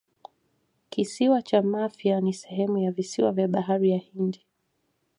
Kisiwa cha Mafia ni sehemu ya visiwa vya Bahari ya Hindi